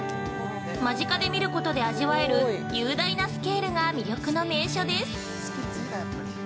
間近で見ることで味わえる雄大なスケールが魅力の名所です。